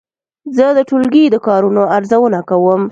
زه د ټولګي د کارونو ارزونه کوم.